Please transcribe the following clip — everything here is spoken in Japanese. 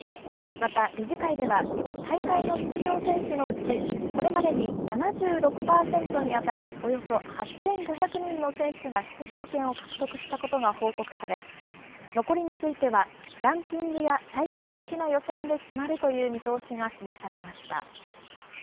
また理事会では、大会の出場選手のうち、これまでに７６％に当たるおよそ８５００人の選手が出場権を獲得したことが報告され、残りについては、ランキングや最終的な予選で決まるという見通しが示されました。